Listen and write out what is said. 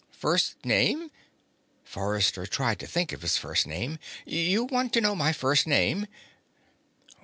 "First name?" Forrester tried to think of his first name. "You want to know my first name?"